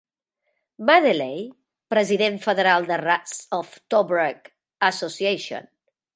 Madeley, President Federal de "Rats of Tobruk Association".